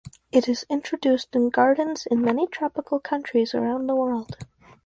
It is introduced in gardens in many tropical countries around the world.